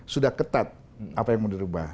sudah ketat apa yang mau dirubah